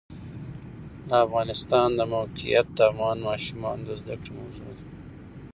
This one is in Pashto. د افغانستان د موقعیت د افغان ماشومانو د زده کړې موضوع ده.